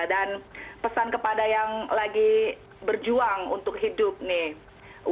dan pesan kepada yang lagi berjuang untuk hidup nih